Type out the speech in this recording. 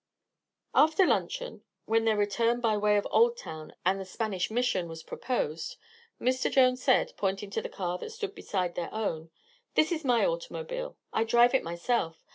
After luncheon, when their return by way of Old Town and the Spanish Mission was proposed, Mr. Jones said, pointing to the car that stood beside their own: "This is my automobile. I drive it myself.